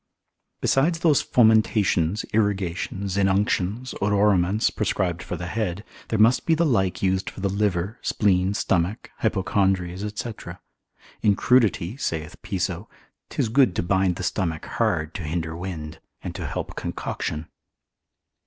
Besides those fomentations, irrigations, inunctions, odoraments, prescribed for the head, there must be the like used for the liver, spleen, stomach, hypochondries, &c. In crudity (saith Piso) 'tis good to bind the stomach hard to hinder wind, and to help concoction.